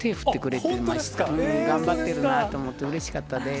頑張ってるなと思って、うれしかったです。